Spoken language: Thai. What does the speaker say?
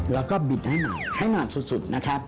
แล้วก็บิดให้หม่าให้หม่าสุดนะครับ